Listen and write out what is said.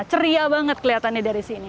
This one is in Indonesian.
ceria banget kelihatannya dari sini